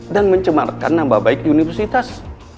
dan mencemarkan nambah baik universitas